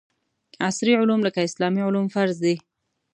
عصري علوم لکه اسلامي علوم فرض دي